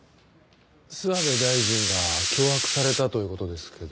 諏訪部大臣が脅迫されたという事ですけど。